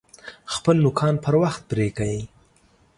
خپل نوکان پر وخت پرې کئ!